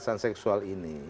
kekerasan seksual ini